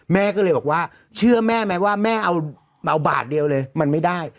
แม่ก็เลยบอกว่าเชื่อแม่ไหมว่าแม่เอาบาทเดียวเลยมันไม่ได้